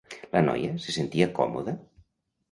La noia se sentia còmoda?